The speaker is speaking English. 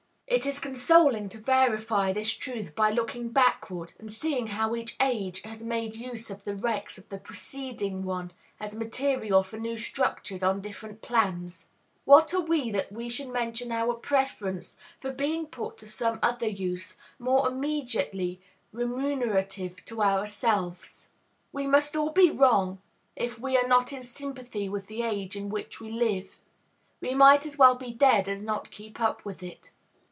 It is consoling to verify this truth by looking backward, and seeing how each age has made use of the wrecks of the preceding one as material for new structures on different plans. What are we that we should mention our preference for being put to some other use, more immediately remunerative to ourselves! We must be all wrong if we are not in sympathy with the age in which we live. We might as well be dead as not keep up with it.